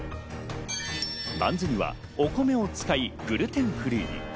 バンズにはお米を使いグルテンフリーに。